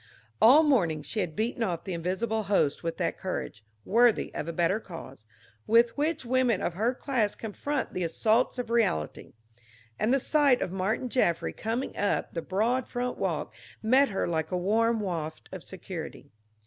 All morning she had beaten off the invisible host with that courage worthy of a better cause with which women of her class confront the assaults of reality; and the sight of Martin Jaffry coming up the broad front walk met her like a warm waft of security.